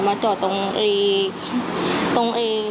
มาจอตรงตรงเอง